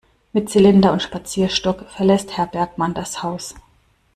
Mit Zylinder und Spazierstock verlässt Herr Bergmann das Haus.